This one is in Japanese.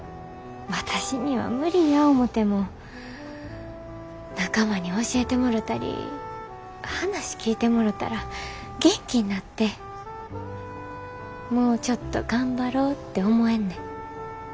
私には無理や思ても仲間に教えてもろたり話聞いてもろたら元気になってもうちょっと頑張ろて思えんねん。